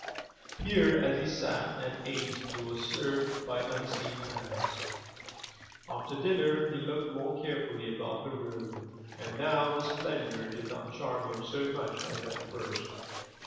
Here, as he sat and ate, he was served by unseen hands. After dinner he looked more carefully about the room, and now the splendor did not charm him so much as at first.